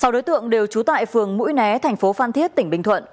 sáu đối tượng đều trú tại phường mũi né thành phố phan thiết tỉnh bình thuận